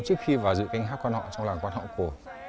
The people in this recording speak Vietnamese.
trước khi vào dự canh hát quan họ trong làng quan họ cổ